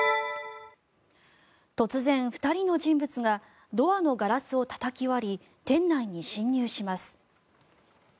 突然、２人の人物がドアのガラスをたたき割り店内に侵入します。